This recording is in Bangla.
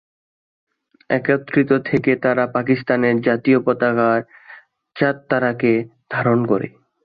একত্রিত থেকে এরা পাকিস্তানের জাতীয় পতাকার চাঁদ-তারাকে ধারণ করে।